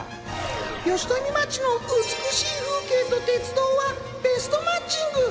吉富町の美しい風景と鉄道はベストマッチング！